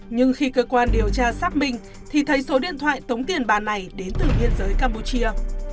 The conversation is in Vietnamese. nhưng khi cơ quan điều tra xác minh thì thấy số điện thoại tống tiền bàn này đến từ biên giới campuchia